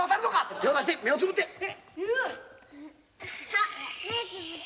「手を出して目をつぶって」「目つぶって」